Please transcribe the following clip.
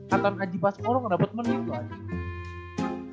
atau ngaji pas orang ada batman gitu aja